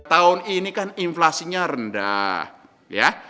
tahun ini kan inflasinya rendah ya